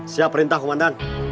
siap perintah komandan